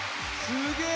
すげえ！